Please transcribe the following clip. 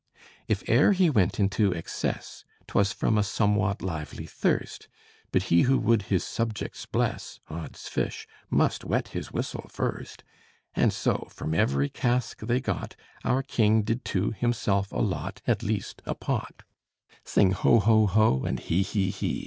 If e'er he went into excess, 'Twas from a somewhat lively thirst; But he who would his subjects bless, Odd's fish! must wet his whistle first; And so from every cask they got, Our king did to himself allot At least a pot. Sing ho, ho, ho! and he, he, he!